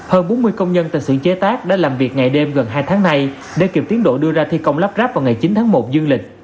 hơn bốn mươi công nhân tại xưởng chế tác đã làm việc ngày đêm gần hai tháng nay để kịp tiến độ đưa ra thi công lắp ráp vào ngày chín tháng một dương lịch